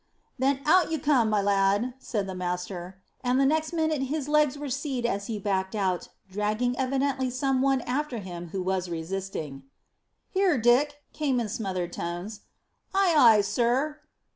"Then out you come, my lad," said the master; and the next minute his legs were seed as he backed out, dragging evidently some one after him who was resisting. "Here, Dick," came in smothered tones. "Ay, ay, sir."